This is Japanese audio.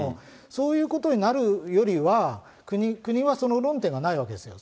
そういうことになるよりは、国はその論点がないわけですよ。